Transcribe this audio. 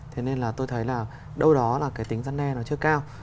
thế nên là tôi thấy là đâu đó là cái tính gian đe nó chưa cao